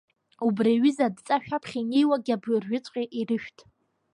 Убри аҩыза адҵа шәаԥхьа инеиуагьы абыржәыҵәҟьа ирышәҭ!